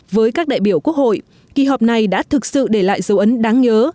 với các đại biểu quốc hội kỳ họp này đã thực sự để lại dấu ấn đáng nhớ